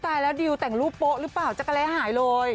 ตายแล้วดิวแต่งรูปโป๊ะหรือเปล่าจักรแร้หายเลย